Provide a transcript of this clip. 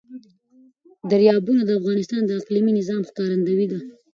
دریابونه د افغانستان د اقلیمي نظام ښکارندوی ده.